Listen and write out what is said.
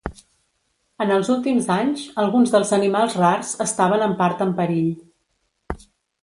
En els últims anys, alguns dels animals rars estaven en part en perill.